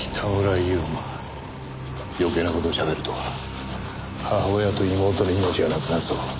余計な事を喋ると母親と妹の命がなくなるぞ。